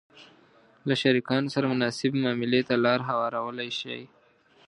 -له شریکانو سره مناسبې معاملې ته لار هوارولای شئ